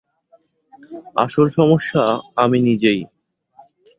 আসল সমস্যা আমি নিজেই।